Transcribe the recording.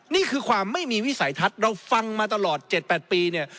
นี่คือความไม่มีวิสัยทัศน์เราฟังมาตลอด๗๘ปีเนี่ย